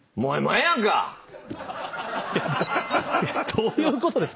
どういうことですか？